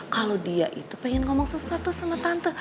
kalau dia itu pengen ngomong sesuatu sama tante